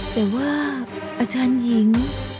แต่ว่าอาจารย์หญิง